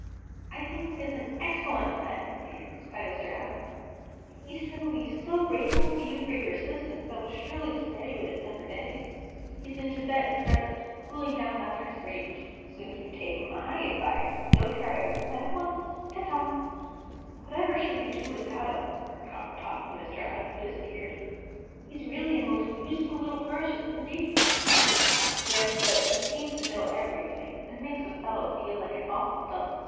"I think that is an excellent plan, my dears!" cried Mr. Atom. "The East Wind will be so grateful to you for your assistance that he'll surely spare you a December day. He's in Tibet at present, cooling down after his rage. So if you take MY advice, you'll carry out your plan at once. Ta ta!" [Illustration: "Foolish ones," said Amon Ra (p. 95).] "Whatever should we do without him?" remarked Coppertop when Mr. Atom had disappeared. "He's really a most useful little person, isn't he?" "Yes, but he seems to know everything, and makes a fellow feel an awful dunce!"